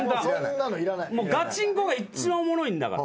ガチンコが一番おもろいんだから。